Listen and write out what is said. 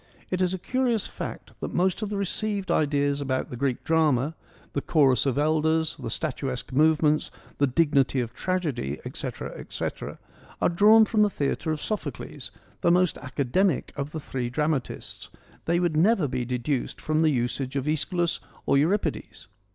It is a curious fact that most of the received ideas about the Greek drama ; the chorus of elders, the statuesque movements, the dignity of tragedy, etc., etc., are drawn from the theatre of Sophocles, the most academic of the three drama tists : they would never be deduced from the usage of iEschylus or Euripides.